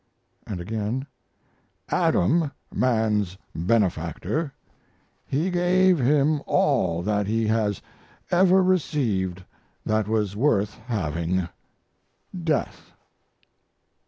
And again: Adam, man's benefactor he gave him all that he has ever received that was worth having death.